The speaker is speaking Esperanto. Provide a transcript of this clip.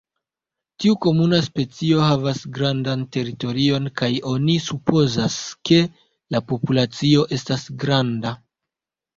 Tiu komuna specio havas grandan teritorion kaj oni supozas, ke la populacio estas granda.